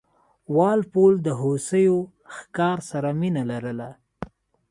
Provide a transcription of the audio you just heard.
وال پول د هوسیو ښکار سره مینه لرله.